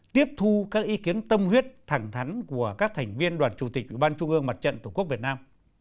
tiếp thu các ý kiến tâm huyết thẳng thắn của các thành viên đoàn chủ tịch ủy ban trung ương mặt trận tổ quốc việt nam